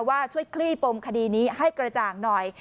ช่วยคลี่ปมคดีนี้ให้กระจ่างหน่อย